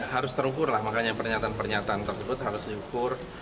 harus terukur lah makanya pernyataan pernyataan tersebut harus diukur